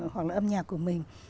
hoặc là âm nhạc của mình